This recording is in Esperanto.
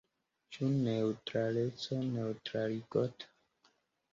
Ĉu neŭtraleco neŭtraligota?